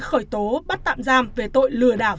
khởi tố bắt tạm giam về tội lừa đảo